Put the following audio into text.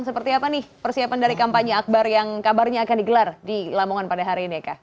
seperti apa nih persiapan dari kampanye akbar yang kabarnya akan digelar di lamongan pada hari ini eka